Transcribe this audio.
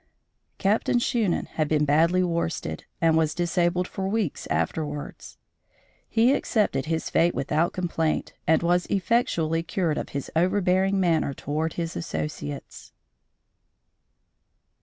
Captain Shunan had been badly worsted, and was disabled for weeks afterward. He accepted his fate without complaint and was effectually cured of his overbearing manner toward his associates.